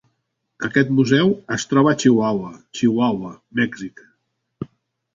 Aquest museu es troba a Chihuahua, Chihuahua, Mèxic.